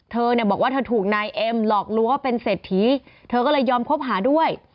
เธอเนี่ยบอกว่าเธอถูกนายเอ็มหลอกลวงว่าเป็นเศรษฐีเธอก็เลยยอมคบหาด้วย